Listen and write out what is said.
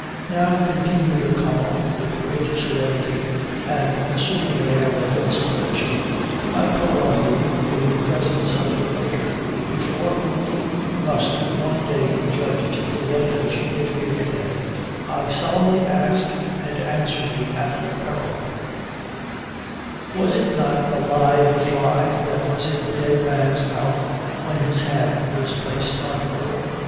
"Now," continued O'Connell, with great solemnity, and assuming an air of inspiration "I call on you, in presence of your Maker, before whom you must one day be judged for the evidence you give here to day, I solemnly ask and answer me at your peril was it not a live fly that was in the dead man's mouth when his hand was placed on the will?"